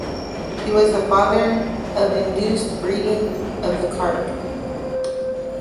He was the "father of induced breeding" of the carp.